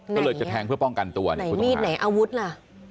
ก็เลยจะแทงเพื่อป้องกันตัวไหนมีดไหนอาวุธล่ะ